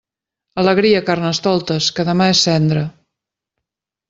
Alegria, Carnestoltes, que demà és cendra.